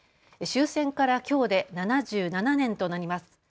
終戦からきょうで７７年となります。